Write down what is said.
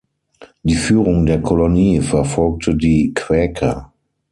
Die Führung der Kolonie verfolgte die Quäker.